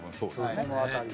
その辺り。